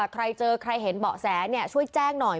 ใครเจอใครเห็นเบาะแสช่วยแจ้งหน่อย